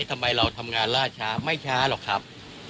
ทำไมเราทำงานล่าช้าไม่ช้าหรอกครับ